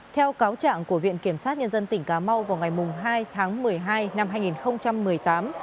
theo cáo trạng của viện kiểm sát nhân dân tỉnh cà mau vào ngày hai tháng một mươi hai năm hai nghìn một mươi tám